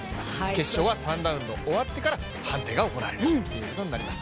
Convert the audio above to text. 決勝は３ラウンド終わってから判定が行われるということになります。